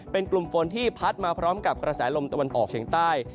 เป็นกลุ่มฝนที่พัดมาพร้อมกับกระแสลมตะวันออกเฉียงใต้